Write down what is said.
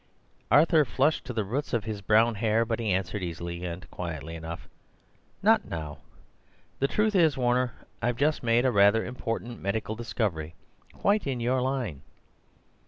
Arthur flushed to the roots of his brown hair, but he answered, easily and quietly enough, "Not now. The truth is, Warner, I've just made a rather important medical discovery—quite in your line."